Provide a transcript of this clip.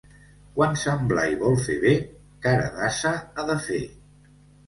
Quan Sant Blai vol fer bé cara d'ase ha de fer.